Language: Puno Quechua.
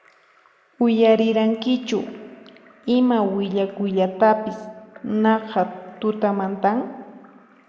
Uyarirankichu ima willakuytapis naqha tutamantan?